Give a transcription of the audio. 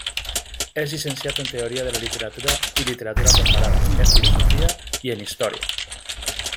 És llicenciat en Teoria de la Literatura i Literatura Comparada, en Filosofia i en Història.